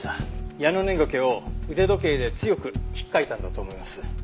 ヤノネゴケを腕時計で強く引っかいたんだと思います。